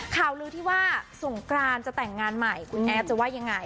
ข่าวลือที่ว่าสงกรานจะแต่งงานใหม่คุณแอฟจะว่ายังไง